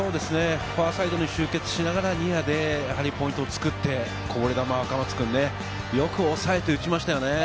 ファーサイドに集結しながらニアでポイントを作って、こぼれ球を若松君、よくおさえて打ちましたよね。